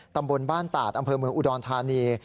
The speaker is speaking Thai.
ตำบลบ้านตาดอำเภอเมืองอุดรธานี